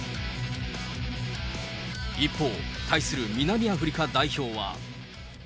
一方、対する南アフリカ代表は。